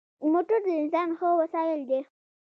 موټر د انسان ښه وسایل دی.